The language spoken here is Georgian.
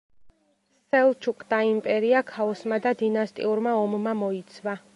სელჩუკთა იმპერია ქაოსმა და დინასტიურმა ომმა მოიცვა.